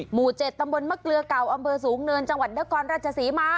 หมู่เจ็ดตำบลมะเกลือเก่าอำเบอร์สูงเนินจังหวัดเดื้อกรรณราชสีมา